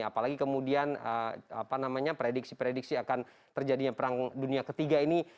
apalagi kemudian prediksi prediksi akan terjadinya perang dunia ketiga ini